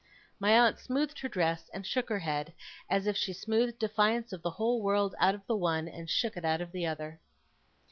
My aunt smoothed her dress and shook her head, as if she smoothed defiance of the whole world out of the one, and shook it out of the other.